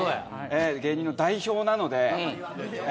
芸人の代表なので。